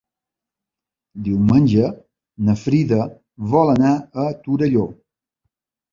Diumenge na Frida vol anar a Torelló.